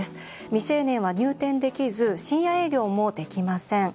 未成年は入店できず深夜営業もできません。